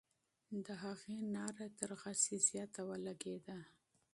د هغې ناره تر غسي زیاته ولګېده.